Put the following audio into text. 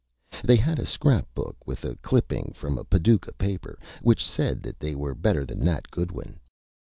They had a Scrap Book with a Clipping from a Paducah Paper, which said that they were better than Nat Goodwin.